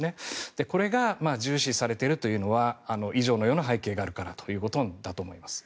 こちらが重視されている背景には以上のような背景があるからだと思います。